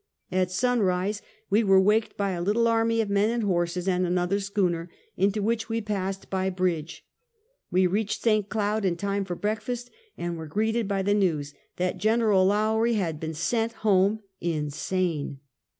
At sun rise we were waked by a little army of men and horses and another schooner, into which we passed b}^ bridge. We reached St. Cloud in time for breakfast, and were greeted by the news that General Lowrie had been sent home insane.